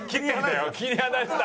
切り離した！